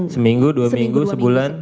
seminggu dua minggu sebulan